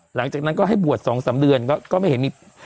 หลังจากนั้นก็ให้บวช๒๓เดือนก็ไม่เห็นมี